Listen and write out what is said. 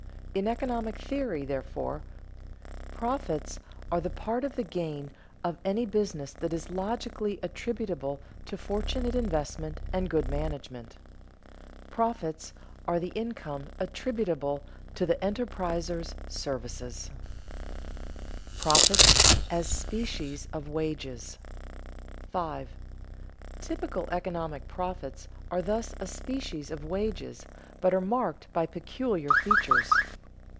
In economic theory, therefore, profits are the part of the gain of any business that is logically attributable to fortunate investment and good management; profits are the income attributable to the enterpriser's services. [Sidenote: Profits a species of wages] 5. _Typical economic profits are thus a species of wages but are marked by peculiar features.